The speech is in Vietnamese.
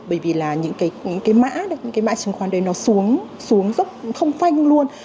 bởi vì những mã chứng khoán xuống dốc không phanh luôn